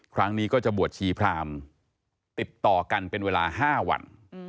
ครั้งนี้ก็จะบวชชีพรามติดต่อกันเป็นเวลา๕วัน